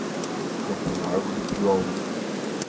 Campo Largo do Piauí